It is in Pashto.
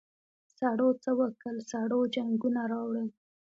سړو څه وکل سړو جنګونه راوړل.